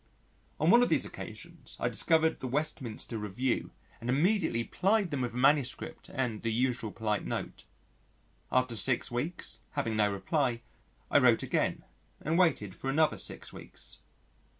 On one of these occasions I discovered the Westminster Review and immediately plied them with a manuscript and the usual polite note. After six weeks, having no reply, I wrote again and waited for another six weeks.